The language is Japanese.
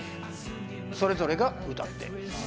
それぞれが歌って。